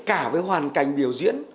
cả với hoàn cảnh biểu diễn